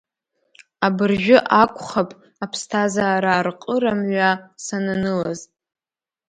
Абыржәы акәхуп аԥсҭазаара арҟыра мҩа сананылаз.